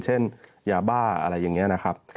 เช่นยาบ้าอะไรอย่างนี้นะครับ